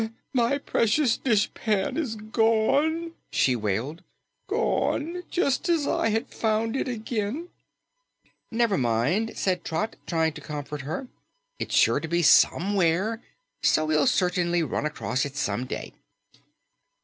"My precious dishpan is gone!" she wailed. "Gone, just as I had found it again!" "Never mind," said Trot, trying to comfort her, "it's sure to be SOMEWHERE, so we'll cert'nly run across it some day."